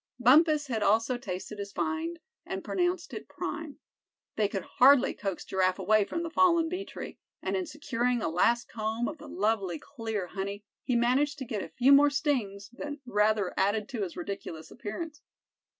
Bumpus had also tasted his find, and pronounced it prime. They could hardly coax Giraffe away from the fallen bee tree; and in securing a last comb of the lovely clear honey, he managed to get a few more stings that rather added to his ridiculous appearance.